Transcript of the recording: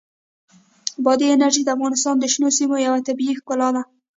بادي انرژي د افغانستان د شنو سیمو یوه طبیعي ښکلا ده.